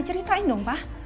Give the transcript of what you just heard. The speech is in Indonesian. ceritain dong pa